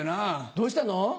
どうしたの？